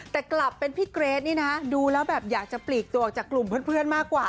แต่กลับเป็นพี่เกรทนี่นะดูแล้วแบบอยากจะปลีกตัวออกจากกลุ่มเพื่อนมากกว่า